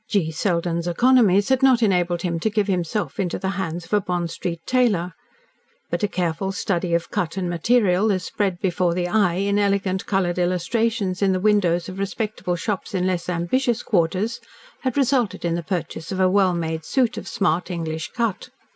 G. Selden's economies had not enabled him to give himself into the hands of a Bond Street tailor, but a careful study of cut and material, as spread before the eye in elegant coloured illustrations in the windows of respectable shops in less ambitious quarters, had resulted in the purchase of a well made suit of smart English cut.